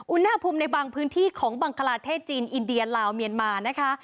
อุณหภูมิในบางพื้นที่ของบังคลาเทศจีนอินเดียลาวเมียนมานะคะ